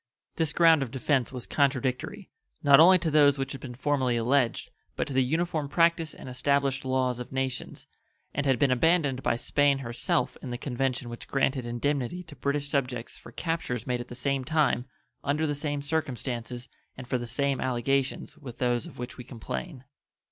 This ground of defense was contradictory, not only to those which had been formerly alleged, but to the uniform practice and established laws of nations, and had been abandoned by Spain herself in the convention which granted indemnity to British subjects for captures made at the same time, under the same circumstances, and for the same allegations with those of which we complain.